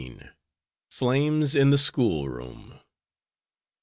FLAMES IN THE SCHOOL ROOM.